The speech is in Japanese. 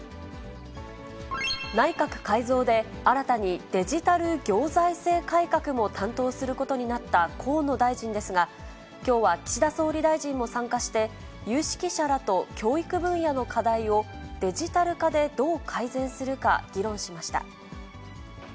内閣改造で、新たにデジタル行財政改革も担当することになった河野大臣ですが、きょうは岸田総理大臣も参加して、有識者らと教育分野の課題を、デジタル化でどう改善するか議論しました。